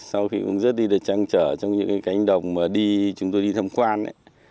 sau khi cũng rất đi được trang trở trong những cái cánh đồng mà đi chúng tôi đi thăm quan ấy